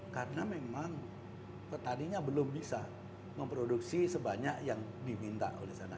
karena memang petaninya belum bisa memproduksi sebanyak yang diminta oleh sana